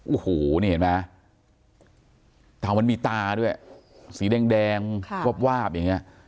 โอ้โหนี่เห็นไหมแต่มันมีตาด้วยสีแดงวาบวาบอย่างนี้